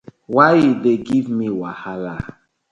Why you dey give me wahala?